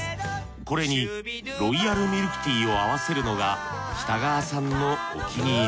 これにロイヤルミルクティーを合わせるのが北川さんのお気に入り。